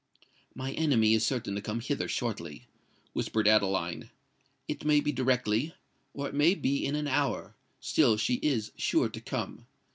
"My enemy is certain to come hither shortly," whispered Adeline: "it may be directly—or it may be in an hour;—still she is sure to come.